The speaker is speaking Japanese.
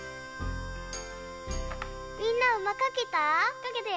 みんなはうまかけた？